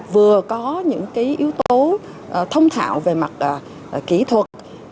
vừa có những yếu tố thông thạo về mặt kỹ thuật